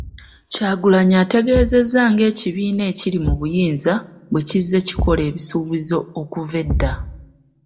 Kyagulanyi ategeezezza ng'ekibiina ekiri mu buyinza bwe kizze kikola ebisuubizo okuva edda.